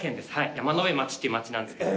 山辺町っていう町なんですけど。